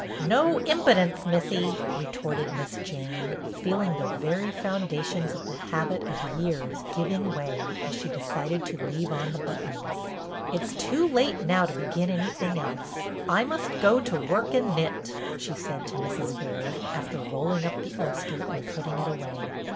"No impidence, missy," retorted Miss Jane, feeling the very foundations of the habit of years giving way as she decided to leave on the buttons. " It 's too late now to begin anything else ; I must go to work and knit," she said to Mrs. Baird, after rolling up the ulster and putting it away.